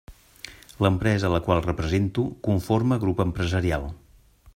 L'empresa a la qual represento conforma grup empresarial.